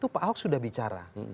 pak ahok sudah bicara